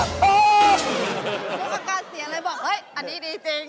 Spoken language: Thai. ฟุ๊กอาการเสียเลยบอกอันนี้ดีจริง